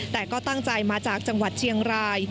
แต่ก็ตั้งใจมาจากจังหวัดเชียงราย